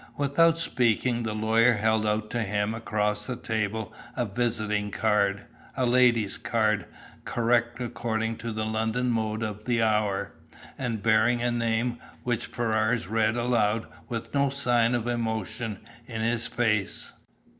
Without speaking, the lawyer held out to him across the table a visiting card, a lady's card, correct according to the London mode of the hour, and bearing a name which Ferrars read aloud with no sign of emotion in his face.